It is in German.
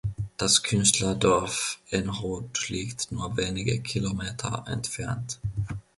Das Künstlerdorf En Hod liegt nur wenige Kilometer entfernt.